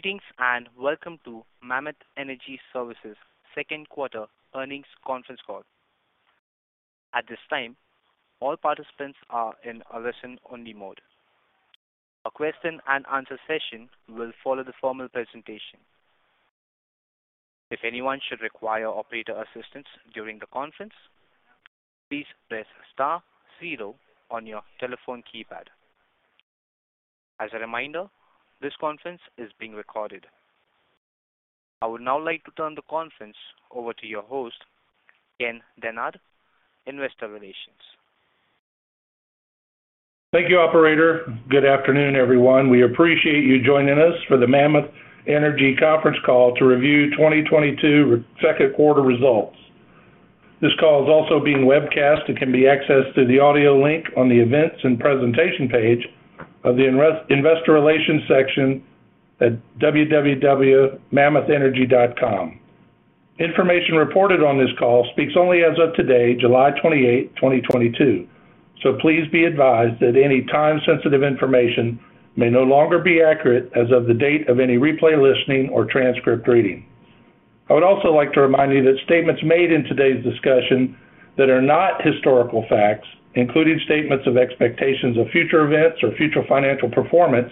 Greetings, and welcome to Mammoth Energy Services second quarter earnings conference call. At this time, all participants are in a listen-only mode. A question and answer session will follow the formal presentation. If anyone should require operator assistance during the conference, please press star zero on your telephone keypad. As a reminder, this conference is being recorded. I would now like to turn the conference over to your host, Ken Dennard, Investor Relations. Thank you, operator. Good afternoon, everyone. We appreciate you joining us for the Mammoth Energy conference call to review 2022 second quarter results. This call is also being webcast and can be accessed through the audio link on the Events and Presentation page of the Investor Relations section at www.mammothenergy.com. Information reported on this call speaks only as of today, July 28, 2022. Please be advised that any time-sensitive information may no longer be accurate as of the date of any replay listening or transcript reading. I would also like to remind you that statements made in today's discussion that are not historical facts, including statements of expectations of future events or future financial performance,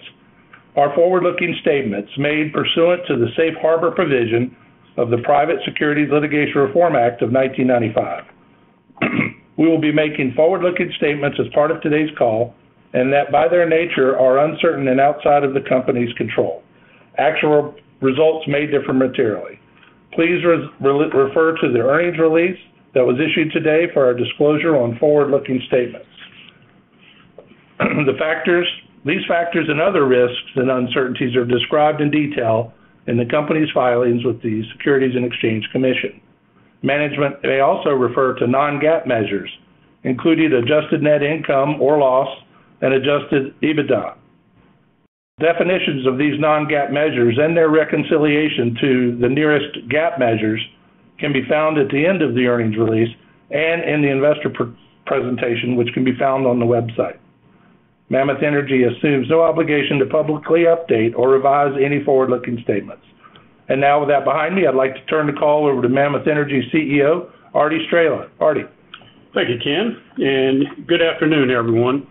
are forward-looking statements made pursuant to the Safe Harbor provision of the Private Securities Litigation Reform Act of 1995. We will be making forward-looking statements as part of today's call and that, by their nature, are uncertain and outside of the company's control. Actual results may differ materially. Please refer to the earnings release that was issued today for our disclosure on forward-looking statements. These factors and other risks and uncertainties are described in detail in the company's filings with the Securities and Exchange Commission. Management may also refer to non-GAAP measures, including adjusted net income or loss and adjusted EBITDA. Definitions of these non-GAAP measures and their reconciliation to the nearest GAAP measures can be found at the end of the earnings release and in the investor presentation, which can be found on the website. Mammoth Energy assumes no obligation to publicly update or revise any forward-looking statements. Now, with that behind me, I'd like to turn the call over to Mammoth Energy CEO, Arty Straehla. Arty. Thank you, Ken, and good afternoon, everyone.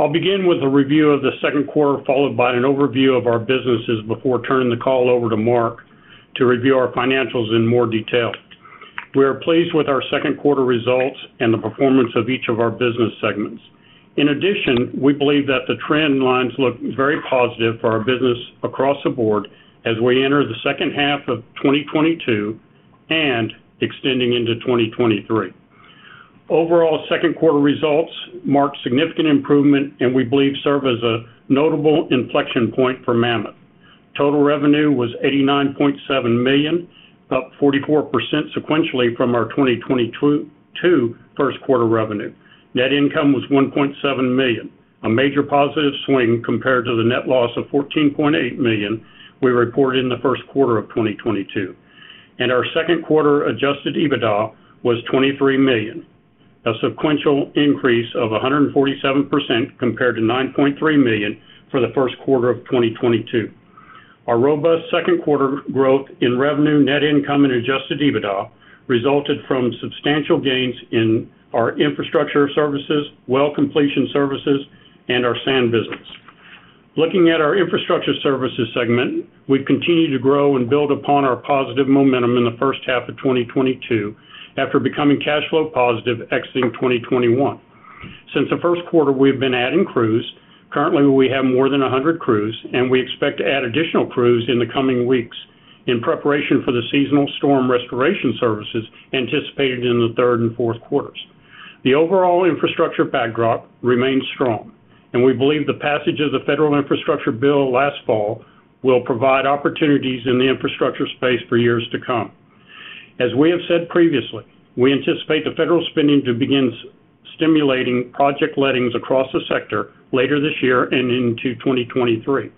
I'll begin with a review of the second quarter, followed by an overview of our businesses before turning the call over to Mark to review our financials in more detail. We are pleased with our second quarter results and the performance of each of our business segments. In addition, we believe that the trend lines look very positive for our business across the board as we enter the second half of 2022 and extending into 2023. Overall second quarter results marked significant improvement and, we believe, serve as a notable inflection point for Mammoth. Total revenue was $89.7 million, up 44% sequentially from our 2022 first quarter revenue. Net income was $1.7 million, a major positive swing compared to the net loss of $14.8 million we reported in the first quarter of 2022. Our second quarter adjusted EBITDA was $23 million, a sequential increase of 147% compared to $9.3 million for the first quarter of 2022. Our robust second quarter growth in revenue, net income, and adjusted EBITDA resulted from substantial gains in our infrastructure services, well completion services, and our sand business. Looking at our infrastructure services segment, we've continued to grow and build upon our positive momentum in the first half of 2022 after becoming cash flow positive exiting 2021. Since the first quarter, we've been adding crews. Currently, we have more than 100 crews, and we expect to add additional crews in the coming weeks in preparation for the seasonal storm restoration services anticipated in the third and fourth quarters. The overall infrastructure backdrop remains strong, and we believe the passage of the Federal Infrastructure Bill last fall will provide opportunities in the infrastructure space for years to come. As we have said previously, we anticipate the federal spending to begin stimulating project lettings across the sector later this year and into 2023.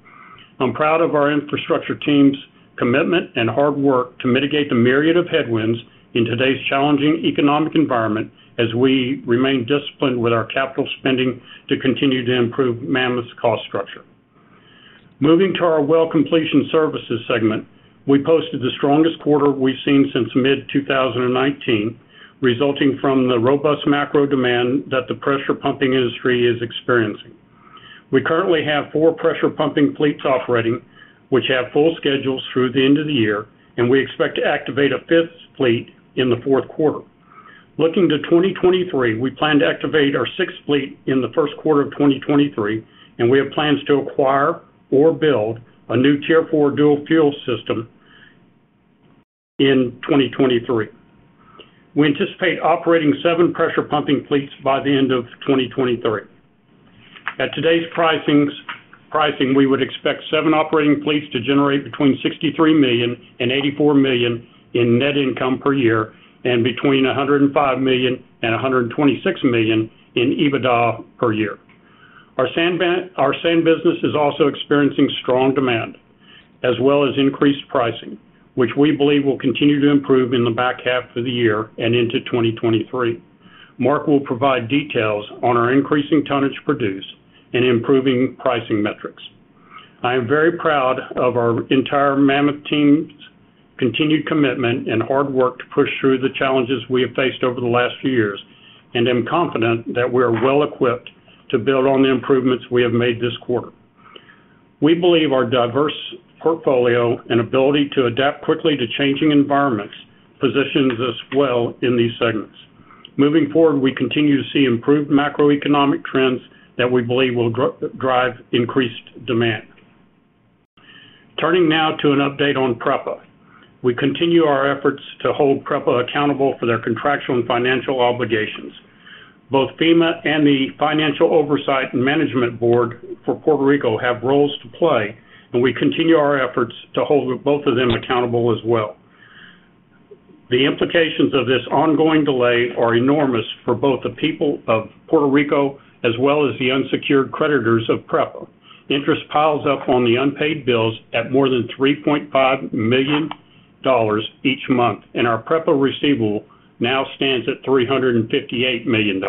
I'm proud of our infrastructure team's commitment and hard work to mitigate the myriad of headwinds in today's challenging economic environment as we remain disciplined with our capital spending to continue to improve Mammoth's cost structure. Moving to our well completion services segment, we posted the strongest quarter we've seen since mid-2019, resulting from the robust macro demand that the pressure pumping industry is experiencing. We currently have four pressure pumping fleets operating, which have full schedules through the end of the year, and we expect to activate a fifth fleet in the fourth quarter. Looking to 2023, we plan to activate our sixth fleet in the first quarter of 2023, and we have plans to acquire or build a new Tier 4 dual fuel system in 2023. We anticipate operating seven pressure pumping fleets by the end of 2023. At today's pricing, we would expect seven operating fleets to generate between $63 million and $84 million in net income per year and between $105 million and $126 million in EBITDA per year. Our sand business is also experiencing strong demand as well as increased pricing, which we believe will continue to improve in the back half of the year and into 2023. Mark will provide details on our increasing tonnage produced and improving pricing metrics. I am very proud of our entire Mammoth team's continued commitment and hard work to push through the challenges we have faced over the last few years, and I'm confident that we are well-equipped to build on the improvements we have made this quarter. We believe our diverse portfolio and ability to adapt quickly to changing environments positions us well in these segments. Moving forward, we continue to see improved macroeconomic trends that we believe will drive increased demand. Turning now to an update on PREPA. We continue our efforts to hold PREPA accountable for their contractual and financial obligations. Both FEMA and the Financial Oversight and Management Board for Puerto Rico have roles to play, and we continue our efforts to hold both of them accountable as well. The implications of this ongoing delay are enormous for both the people of Puerto Rico as well as the unsecured creditors of PREPA. Interest piles up on the unpaid bills at more than $3.5 million each month, and our PREPA receivable now stands at $358 million.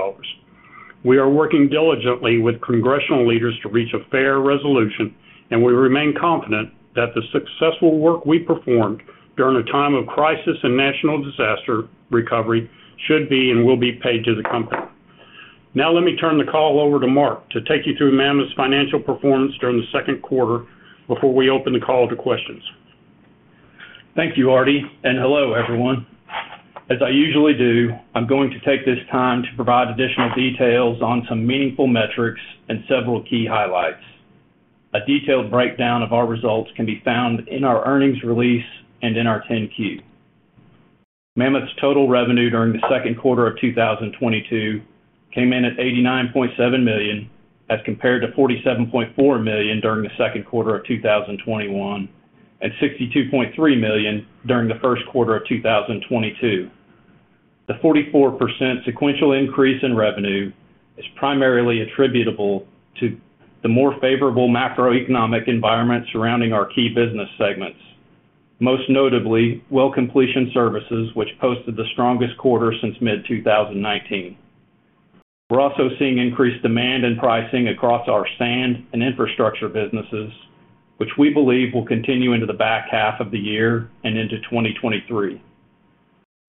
We are working diligently with congressional leaders to reach a fair resolution, and we remain confident that the successful work we performed during a time of crisis and national disaster recovery should be and will be paid to the company. Now, let me turn the call over to Mark to take you through Mammoth's financial performance during the second quarter before we open the call to questions. Thank you, Arty, and hello, everyone. As I usually do, I'm going to take this time to provide additional details on some meaningful metrics and several key highlights. A detailed breakdown of our results can be found in our earnings release and in our 10-Q. Mammoth's total revenue during the second quarter of 2022 came in at $89.7 million, as compared to $47.4 million during the second quarter of 2021 and $62.3 million during the first quarter of 2022. The 44% sequential increase in revenue is primarily attributable to the more favorable macroeconomic environment surrounding our key business segments, most notably Well Completion Services, which posted the strongest quarter since mid-2019. We're also seeing increased demand in pricing across our sand and infrastructure businesses, which we believe will continue into the back half of the year and into 2023.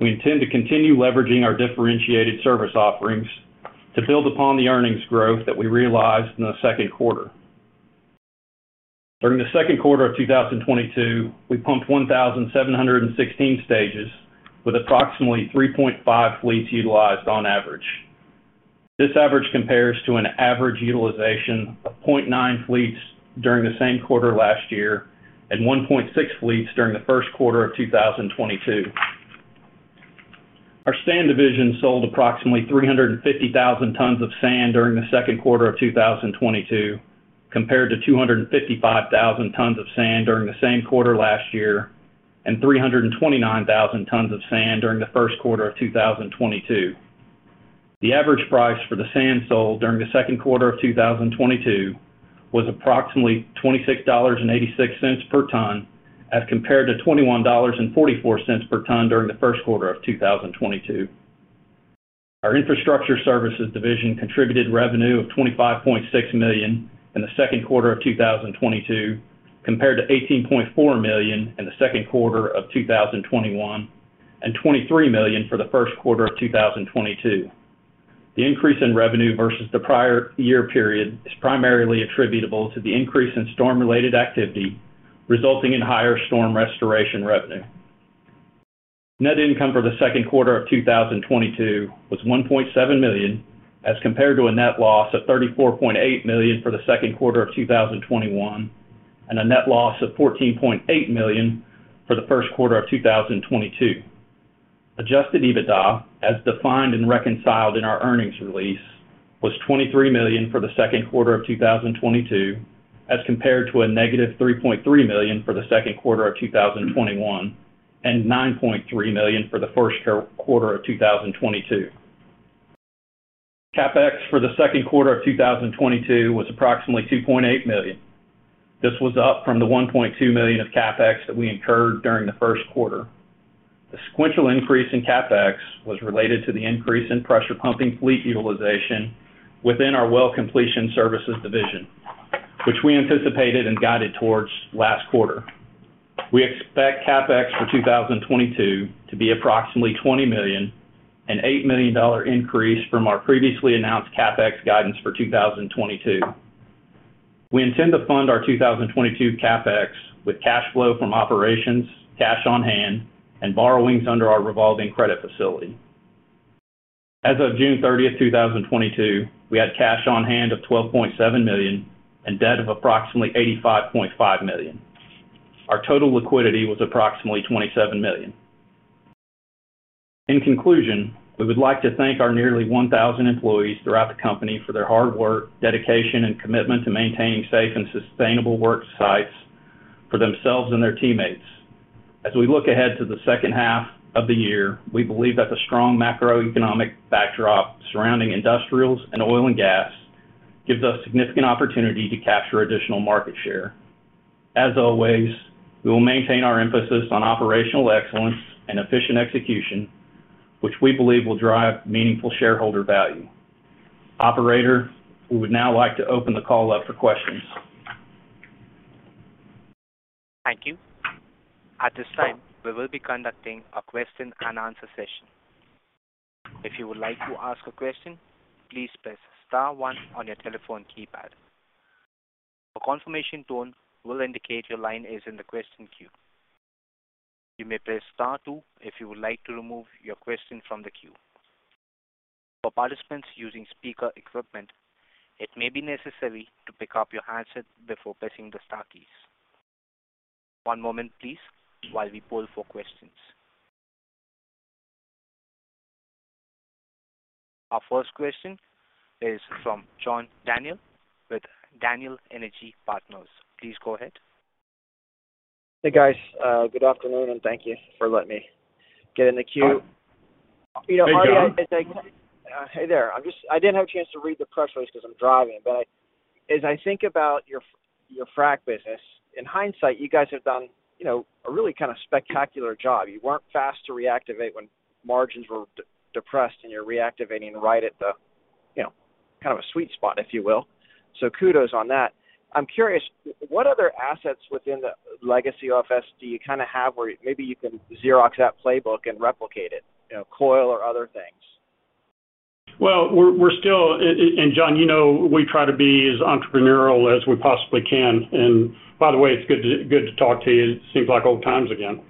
We intend to continue leveraging our differentiated service offerings to build upon the earnings growth that we realized in the second quarter. During the second quarter of 2022, we pumped 1,716 stages with approximately 3.5 fleets utilized on average. This average compares to an average utilization of 0.9 fleets during the same quarter last year and 1.6 fleets during the first quarter of 2022. Our sand division sold approximately 350,000 tons of sand during the second quarter of 2022, compared to 255,000 tons of sand during the same quarter last year and 329,000 tons of sand during the first quarter of 2022. The average price for the sand sold during the second quarter of 2022 was approximately $26.86 per ton, as compared to $21.44 per ton during the first quarter of 2022. Our Infrastructure Services division contributed revenue of $25.6 million in the second quarter of 2022, compared to $18.4 million in the second quarter of 2021 and $23 million for the first quarter of 2022. The increase in revenue versus the prior year period is primarily attributable to the increase in storm-related activity, resulting in higher storm restoration revenue. Net income for the second quarter of 2022 was $1.7 million, as compared to a net loss of $34.8 million for the second quarter of 2021 and a net loss of $14.8 million for the first quarter of 2022. Adjusted EBITDA, as defined and reconciled in our earnings release, was $23 million for the second quarter of 2022, as compared to a -$3.3 million for the second quarter of 2021 and $9.3 million for the first quarter of 2022. CapEx for the second quarter of 2022 was approximately $2.8 million. This was up from the $1.2 million of CapEx that we incurred during the first quarter. The sequential increase in CapEx was related to the increase in pressure pumping fleet utilization within our Well Completion Services division, which we anticipated and guided towards last quarter. We expect CapEx for 2022 to be approximately $20 million, an $8 million increase from our previously announced CapEx guidance for 2022. We intend to fund our 2022 CapEx with cash flow from operations, cash on hand, and borrowings under our revolving credit facility. As of June 13th, 2022, we had cash on hand of $12.7 million and debt of approximately $85.5 million. Our total liquidity was approximately $27 million. In conclusion, we would like to thank our nearly 1,000 employees throughout the company for their hard work, dedication, and commitment to maintaining safe and sustainable work sites for themselves and their teammates. As we look ahead to the second half of the year, we believe that the strong macroeconomic backdrop surrounding industrials and oil and gas gives us significant opportunity to capture additional market share. As always, we will maintain our emphasis on operational excellence and efficient execution, which we believe will drive meaningful shareholder value. Operator, we would now like to open the call up for questions. Thank you. At this time, we will be conducting a question and answer session. If you would like to ask a question, please press star one on your telephone keypad. A confirmation tone will indicate your line is in the question queue. You may press star two if you would like to remove your question from the queue. For participants using speaker equipment, it may be necessary to pick up your handset before pressing the star keys. One moment please while we poll for questions. Our first question is from John Daniel with Daniel Energy Partners. Please go ahead. Hey, guys. Good afternoon, and thank you for letting me get in the queue. Hey, John. You know, Arty, I think. Hey there. I didn't have a chance to read the press release because I'm driving. As I think about your frack business, in hindsight, you guys have done, you know, a really kind of spectacular job. You weren't fast to reactivate when margins were depressed, and you're reactivating right at the, you know, kind of a sweet spot, if you will. Kudos on that. I'm curious, what other assets within the legacy of [SD] you kinda have where maybe you can Xerox that playbook and replicate it, you know, coil or other things? John, you know, we try to be as entrepreneurial as we possibly can. By the way, it's good to talk to you. It seems like old times again.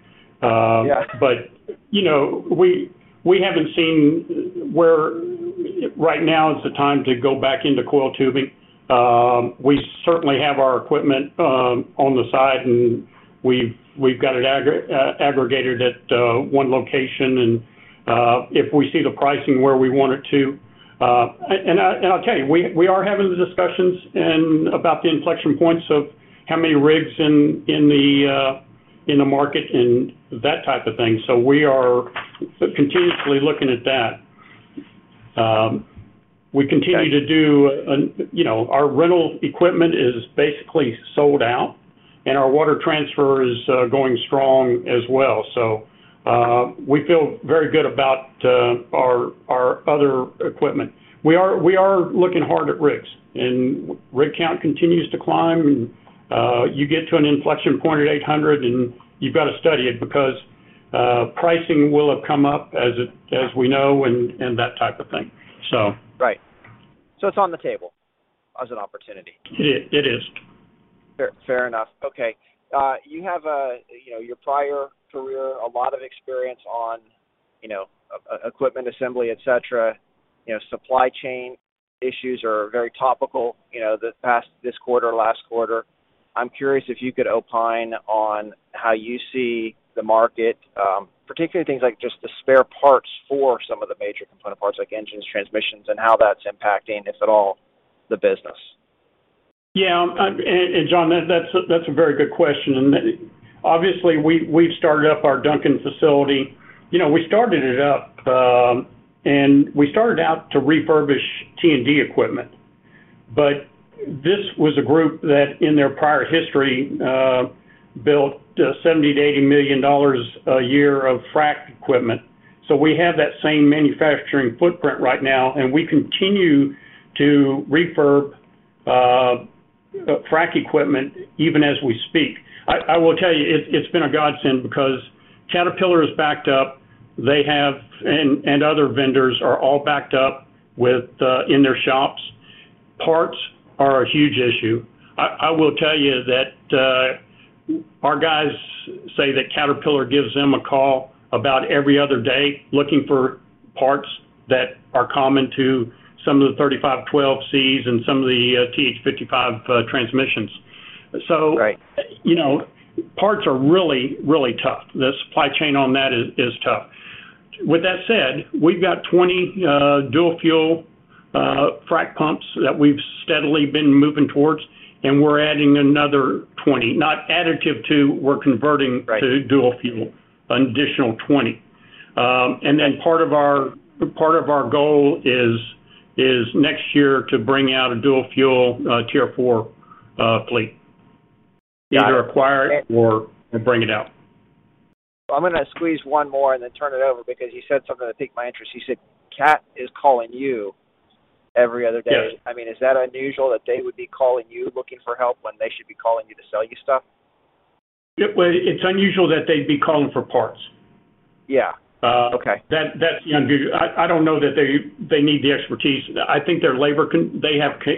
Yeah. You know, we haven't seen that right now is the time to go back into coiled tubing. We certainly have our equipment on the side, and we've got it aggregated at one location. If we see the pricing where we want it to. I'll tell you, we are having the discussions about the inflection points of how many rigs in the market and that type of thing. We are continuously looking at that. We continue to do, you know, our rental equipment is basically sold out, and our water transfer is going strong as well. We feel very good about our other equipment. We are looking hard at rigs. Rig count continues to climb. You get to an inflection point at 800, and you've got to study it because pricing will have come up as we know and that type of thing, so. Right. It's on the table as an opportunity? It is. Fair enough. Okay. You know, your prior career, a lot of experience on, you know, equipment assembly, et cetera. You know, supply chain issues are very topical, you know, the past, this quarter, last quarter. I'm curious if you could opine on how you see the market, particularly things like just the spare parts for some of the major component parts like engines, transmissions, and how that's impacting, if at all, the business. Yeah. John, that's a very good question. Obviously, we've started up our Duncan facility. You know, we started it up, and we started out to refurbish T&D equipment. This was a group that in their prior history built $70 million-$80 million a year of frack equipment. We have that same manufacturing footprint right now, and we continue to refurbish frack equipment even as we speak. I will tell you, it's been a godsend because Caterpillar is backed up. They have, and other vendors are all backed up within their shops. Parts are a huge issue. I will tell you that our guys say that Caterpillar gives them a call about every other day looking for parts that are common to some of the 3512 Cs and some of the TH 55 transmissions. Right. You know, parts are really, really tough. The supply chain on that is tough. With that said, we've got 20 dual fuel frack pumps that we've steadily been moving towards, and we're adding another 20. Not additive to, we're converting. Right. To dual fuel, an additional 20. Part of our goal is next year to bring out a dual fuel, Tier 4, fleet. Got it. Either acquire it or bring it out. I'm gonna squeeze one more and then turn it over because you said something that piqued my interest. You said Cat is calling you every other day. Yes. I mean, is that unusual that they would be calling you looking for help when they should be calling you to sell you stuff? Well, it's unusual that they'd be calling for parts. Yeah. Okay. That's unusual. I don't know that they need the expertise. I think they have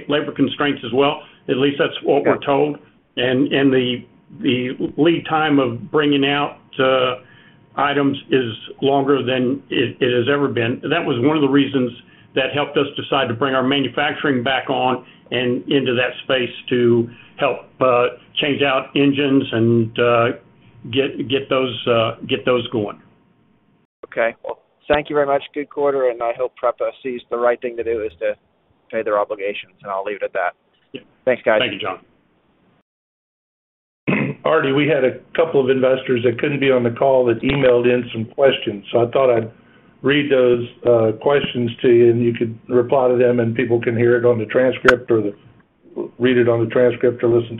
labor constraints as well. At least that's what we're told. The lead time of bringing out items is longer than it has ever been. That was one of the reasons that helped us decide to bring our manufacturing back on and into that space to help change out engines and get those going. Okay. Well, thank you very much. Good quarter. I hope PREPA sees the right thing to do is to pay their obligations, and I'll leave it at that. Thanks, guys. Thank you, John. Arty, we had a couple of investors that couldn't be on the call that emailed in some questions, so I thought I'd read those questions to you, and you could reply to them, and people can read it on the transcript or listen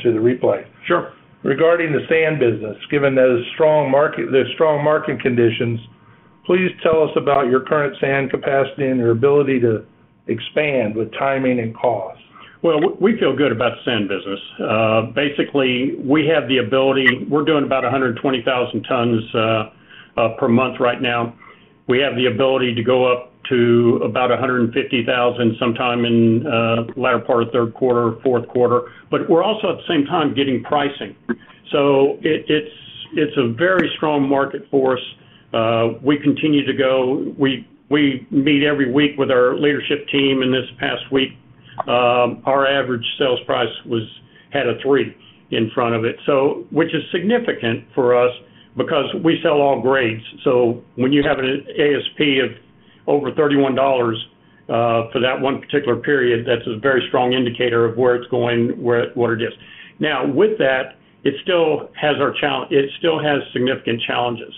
to the replay. Sure. Regarding the sand business, given those strong market conditions, please tell us about your current sand capacity and your ability to expand with timing and cost? Well, we feel good about the sand business. Basically, we have the ability. We're doing about 120,000 tons per month right now. We have the ability to go up to about 150,000 sometime in latter part of third quarter, fourth quarter. We're also, at the same time, getting pricing. It's a very strong market for us. We continue to go. We meet every week with our leadership team. This past week, our average sales price had a three in front of it, so which is significant for us because we sell all grades. When you have an ASP of over $31 for that one particular period, that's a very strong indicator of where it's going, what it is. Now, with that, it still has our challenge. It still has significant challenges.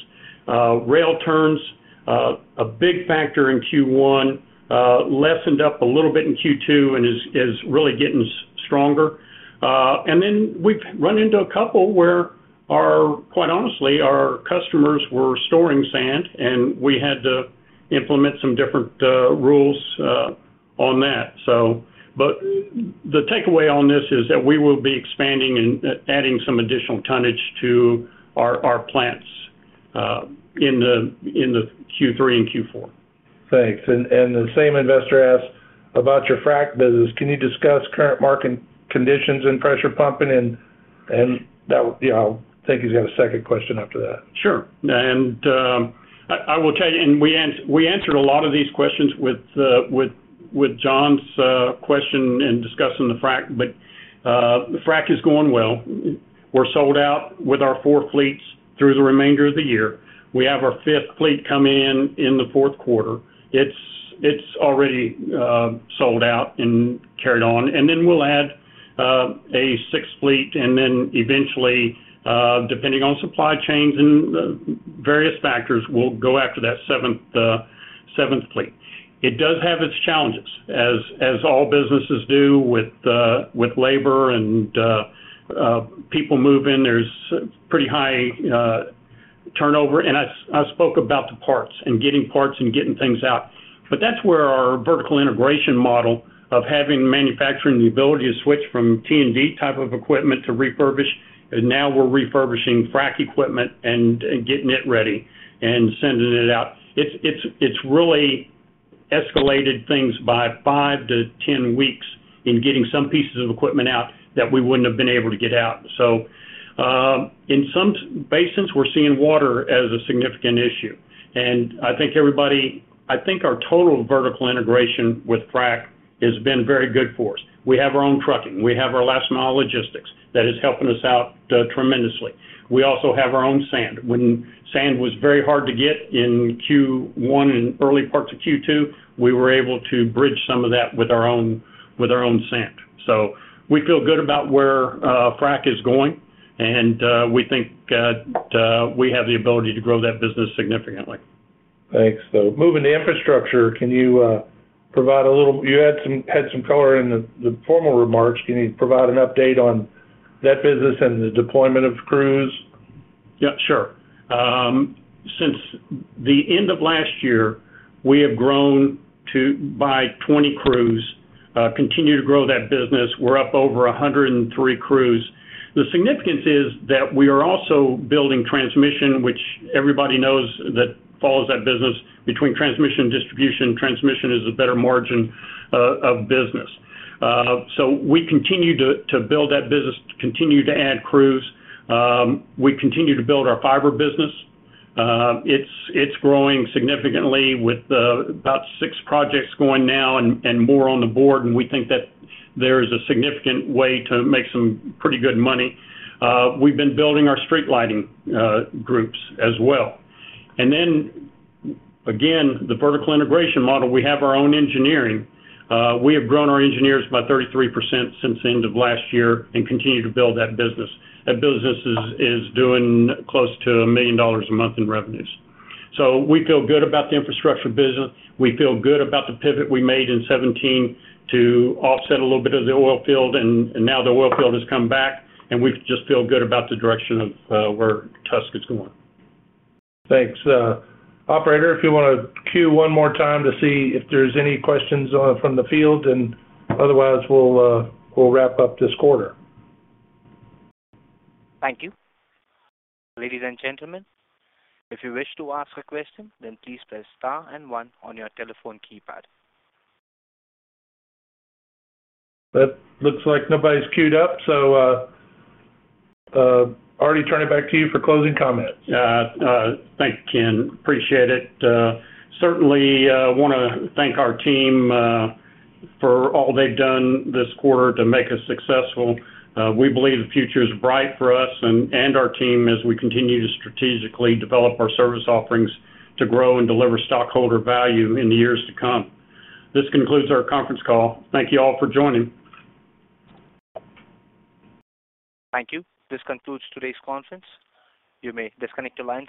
Rail turns a big factor in Q1, lessened up a little bit in Q2 and is really getting stronger. We've run into a couple where our, quite honestly, our customers were storing sand, and we had to implement some different rules on that, so. The takeaway on this is that we will be expanding and adding some additional tonnage to our plants in the Q3 and Q4. Thanks. The same investor asked about your frack business. Can you discuss current market conditions and pressure pumping and that. You know, I think he's got a second question after that. Sure. I will tell you, and we answered a lot of these questions with John's question in discussing the frack. The frack is going well. We're sold out with our four fleets through the remainder of the year. We have our fifth fleet coming in the fourth quarter. It's already sold out and contracted. Then we'll add a sixth fleet, and then eventually, depending on supply chains and various factors, we'll go after that seventh fleet. It does have its challenges, as all businesses do with labor and people moving. There's pretty high turnover. I spoke about the parts and getting parts and getting things out. That's where our vertical integration model of having manufacturing, the ability to switch from T&D type of equipment to refurbish, and now we're refurbishing frack equipment and getting it ready and sending it out. It's really escalated things by five to 10 weeks in getting some pieces of equipment out that we wouldn't have been able to get out. In some basins, we're seeing water as a significant issue. I think our total vertical integration with frack has been very good for us. We have our own trucking. We have our last mile logistics that is helping us out tremendously. We also have our own sand. When sand was very hard to get in Q1 and early parts of Q2, we were able to bridge some of that with our own sand. We feel good about where frack is going, and we think that we have the ability to grow that business significantly. Thanks. Moving to infrastructure, can you provide a little. You had some color in the formal remarks. Can you provide an update on that business and the deployment of crews? Yeah, sure. Since the end of last year, we have grown by 20 crews, continue to grow that business. We're up over 103 crews. The significance is that we are also building transmission, which everybody knows that follows that business. Between transmission and distribution, transmission is a better margin of business. We continue to build that business, to continue to add crews. We continue to build our fiber business. It's growing significantly with about six projects going now and more on the board. We think that there is a significant way to make some pretty good money. We've been building our street lighting groups as well. Again, the vertical integration model, we have our own engineering. We have grown our engineers by 33% since the end of last year and continue to build that business. That business is doing close to $1 million a month in revenues. We feel good about the infrastructure business. We feel good about the pivot we made in 2017 to offset a little bit of the oil field. Now the oil field has come back, and we just feel good about the direction of where TUSK is going. Thanks. Operator, if you wanna queue one more time to see if there's any questions from the field, and otherwise we'll wrap up this quarter. Thank you. Ladies and gentlemen, if you wish to ask a question, then please press star and one on your telephone keypad. It looks like nobody's queued up, so, Arty, turn it back to you for closing comments. Yeah. Thank you, Ken. Appreciate it. Certainly, wanna thank our team for all they've done this quarter to make us successful. We believe the future is bright for us and our team as we continue to strategically develop our service offerings to grow and deliver stockholder value in the years to come. This concludes our conference call. Thank you all for joining. Thank you. This concludes today's conference. You may disconnect your lines.